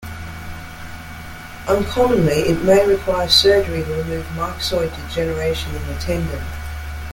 Uncommonly it may require surgery to remove myxoid degeneration in the tendon.